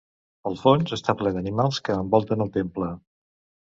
El fons està ple d'animals que envolten el temple.